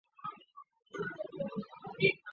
可应召唤者要求以人形出现。